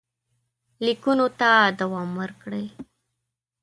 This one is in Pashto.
لیکونو ته دوام ورکړئ.